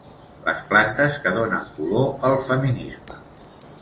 Les plantes que donen color al feminisme.